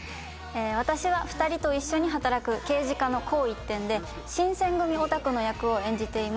私は２人と一緒に働く刑事課の紅一点で新撰組オタクの役を演じています。